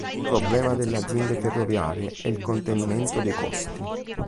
Un problema delle aziende ferroviarie è il contenimento dei costi.